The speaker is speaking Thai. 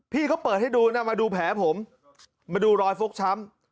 พี่เขาเปิดให้ดูนะมาดูแผลผมมาดูรอยฟกช้ำ